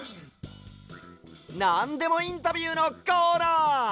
なんでもインタビューのコーナー！